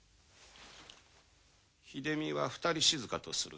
秀美は『二人静』とする。